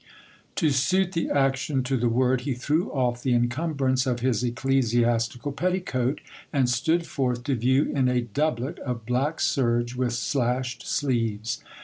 1 66 GIL BLAS. To suit the action to the word, he threw off the incumbrance of his eccle siastical petticoat, and stood forth to view in a doublet of black serge with slashed sleeves.